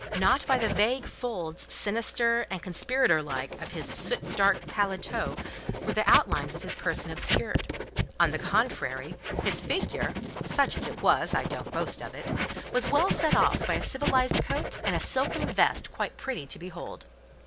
Not by the vague folds, sinister and conspirator like, of his soot dark paletôt were the outlines of his person obscured; on the contrary, his figure (such as it was, I don't boast of it) was well set off by a civilized coat and a silken vest quite pretty to behold.